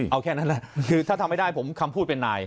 เอาแค่นั้นแหละคือถ้าทำไม่ได้ผมคำพูดเป็นนาย